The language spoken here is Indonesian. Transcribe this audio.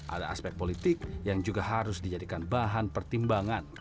ada aspek politik yang juga harus dijadikan bahan pertimbangan